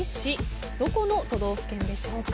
どこの都道府県でしょうか？